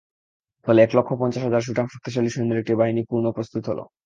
ফলে এক লক্ষ পঞ্চাশ হাজার সুঠাম শক্তিশালী সৈন্যের একটি বাহিনী পূর্ণ প্রস্তুত হল।